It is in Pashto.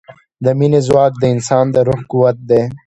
د مینې ځواک د انسان د روح قوت دی.